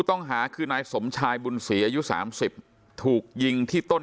ต้องหาคือนายสมชายบุญศรีอายุ๓๐ถูกยิงที่ต้น